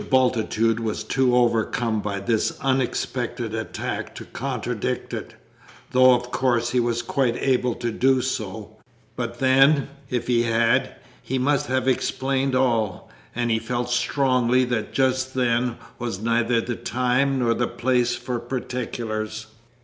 Bultitude was too overcome by this unexpected attack to contradict it, though of course he was quite able to do so; but then, if he had, he must have explained all, and he felt strongly that just then was neither the time nor the place for particulars.